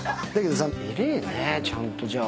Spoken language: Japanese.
ちゃんとじゃあ。